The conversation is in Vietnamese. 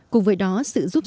cùng với đó sự giúp giúp